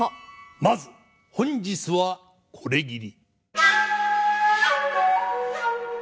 まず本日はこれぎり。